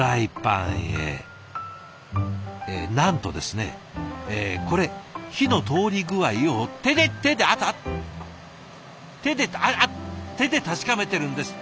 なんとですねこれ火の通り具合を手で手で熱っ手でってああっ手で確かめてるんですって。